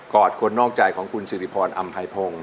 อดคนนอกใจของคุณสิริพรอำไพพงศ์